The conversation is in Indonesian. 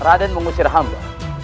raden mengusir hamba